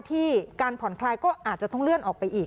ที่การผ่อนคลายก็อาจจะต้องเลื่อนออกไปอีก